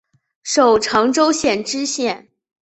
授长洲县知县。